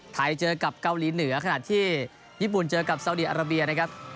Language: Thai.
เจอกับเกาหลีเหนือขณะที่ญี่ปุ่นเจอกับซาวดีอาราเบียนะครับ